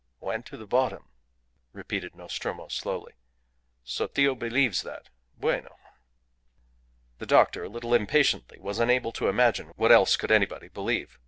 "Went to the bottom?" repeated Nostromo, slowly. "Sotillo believes that? Bueno!" The doctor, a little impatiently, was unable to imagine what else could anybody believe.